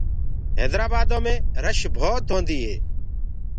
هيدرآ بآدو مي رش ڀوت هوندي هي۔